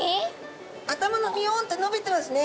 頭のミョンって伸びてますね。